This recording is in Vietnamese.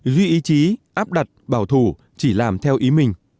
duy ý chí áp đặt bảo thủ chỉ làm theo ý mình